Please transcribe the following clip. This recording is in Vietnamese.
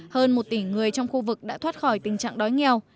hơn một tỷ người trong khu vực đã thoát khỏi tình trạng đói nghèo